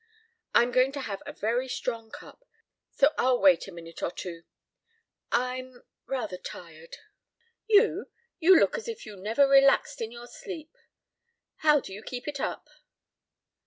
I'm going to have a very strong cup, so I'll wait a minute or two. I'm rather tired." "You? You look as if you never relaxed in your sleep. How do you keep it up?"